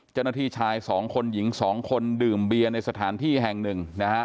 เจ้าหน้าที่ชายสองคนหญิง๒คนดื่มเบียร์ในสถานที่แห่งหนึ่งนะฮะ